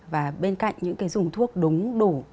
và bên cạnh những cái dùng thuốc đúng đủ